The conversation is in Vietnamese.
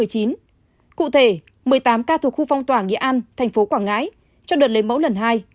cụ thể một mươi tám ca thuộc khu phong tỏa nghĩa an thành phố quảng ngãi cho đợt lấy mẫu lần hai